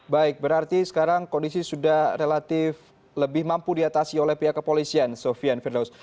baik berarti sekarang kondisi sudah relatif lebih mampu diatasi oleh pihak kepolisian sofian firdaus